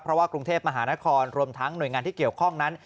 เพราะว่ากรุงเทพมหานครรวมทั้งหน่วยงานที่เกี่ยวข้องนั้น